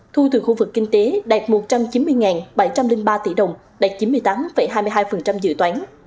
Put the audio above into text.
thu từ khu vực kinh tế đạt một trăm chín mươi bảy trăm linh ba tỷ đồng đạt chín mươi tám hai mươi hai dự toán